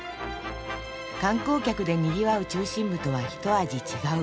観光客でにぎわう中心部とは一味違うパリ。